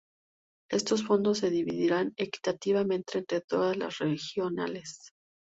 Estos fondos se dividirán equitativamente entre todas las regionales.